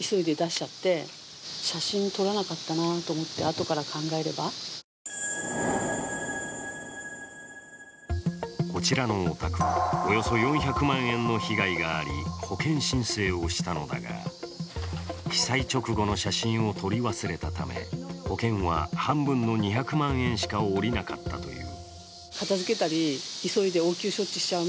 その理由はこちらのお宅、およそ４００万円の被害があり保険申請をしたのだが被災直後の写真を撮り忘れたため保険は半分の２００万円しか下りなかったという。